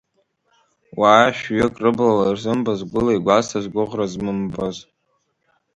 Уаа шәҩык рыблала ирзымбоз, гәыла игәазҭоз, гәыӷра змымбоз.